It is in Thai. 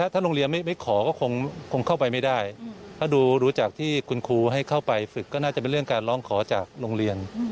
ถ้าโรงเรียนไม่ขอก็คงเข้าไปไม่ได้ถ้าดูจากที่คุณครูให้เข้าไปฝึกก็น่าจะเป็นเรื่องการร้องขอจากโรงเรียน